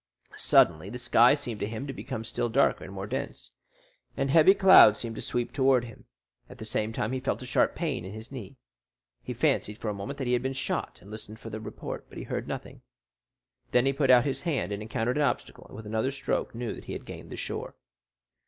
Suddenly the sky seemed to him to become still darker and more dense, and heavy clouds seemed to sweep down towards him; at the same time he felt a sharp pain in his knee. He fancied for a moment that he had been shot, and listened for the report; but he heard nothing. Then he put out his hand, and encountered an obstacle and with another stroke knew that he had gained the shore.